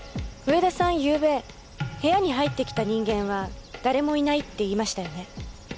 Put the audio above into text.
ゆうべ部屋に入ってきた人間は誰もいないって言いましたよね。